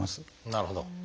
なるほど。